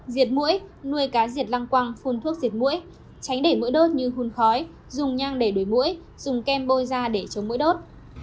diệt mũi nuôi cá diệt lăng quăng phun thuốc diệt mũi tránh để mũi đốt như hùn khói dùng nhang để đuổi mũi dùng kem bôi ra để chống mũi đốt